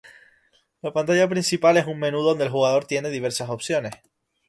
La pantalla principal es un menú donde el jugador tiene diversas opciones.